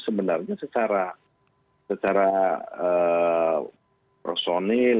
sebenarnya secara personil